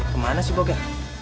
kemana sih boga